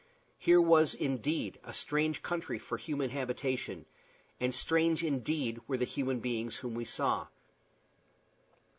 Here was, indeed, a strange country for a human habitation; and strange, indeed, were the human beings whom we saw.